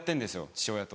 父親と。